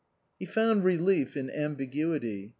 He found relief in ambiguity.